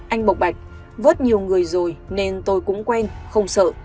anh bộc bạch vớt nhiều người rồi nên tôi cũng quen không sợ